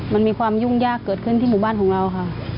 มันมีความยุ่งยากเกิดขึ้นที่หมู่บ้านของเราค่ะ